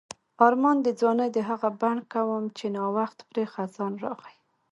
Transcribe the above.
آرمان د ځوانۍ د هغه بڼ کوم چې نا وخت پرې خزان راغی.